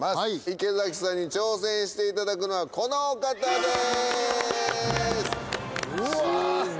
池崎さんに挑戦していただくのはこのお方です！